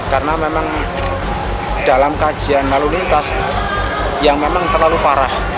karena memang dalam kajian lalu lintas yang memang terlalu parah